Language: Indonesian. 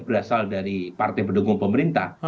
berasal dari partai pendukung pemerintah